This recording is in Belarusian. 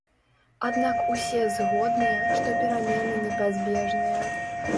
Аднак усе згодныя, што перамены непазбежныя.